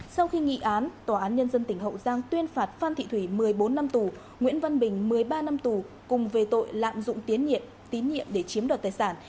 sau khi nghị án tòa án nhân dân tỉnh hậu giang tuyên phạt phan thị thủy một mươi bốn năm tù nguyễn văn bình một mươi ba năm tù cùng về tội lạm dụng tiến nhiệm tín nhiệm để chiếm đoạt tài sản